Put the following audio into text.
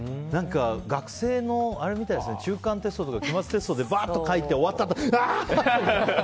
学生の中間テストとか期末テストとかでバーッと書いて、終わったあとわー！ってやつやつみたいな。